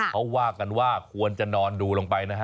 เขาว่ากันว่าควรจะนอนดูลงไปนะฮะ